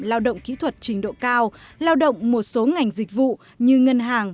lao động kỹ thuật trình độ cao lao động một số ngành dịch vụ như ngân hàng